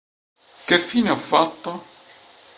Che fine ho fatto?